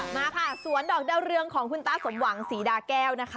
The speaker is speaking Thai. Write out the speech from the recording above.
มาค่ะสวนดอกดาวเรืองของคุณตาสมหวังศรีดาแก้วนะคะ